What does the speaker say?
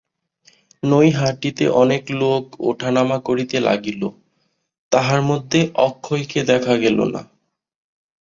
নৈহাটিতে অনেক লোক উঠানামা করিতে লাগিল, তাহার মধ্যে অক্ষয়কে দেখা গেল না।